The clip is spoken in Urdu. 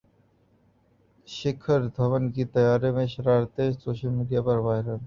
شیکھر دھون کی طیارے میں شرارتیں سوشل میڈیا پر وائرل